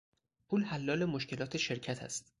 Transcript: پول حلال مشکلات شرکت است.